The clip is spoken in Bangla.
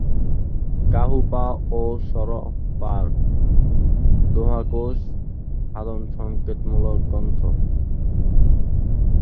কাহ্নপা ও সরহপার দোহাকোষ সাধনসংকেতমূলক গ্রন্থ।